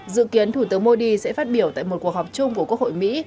dự kiến thủ tướng modi sẽ phát biểu tại một cuộc họp chung của quốc hội mỹ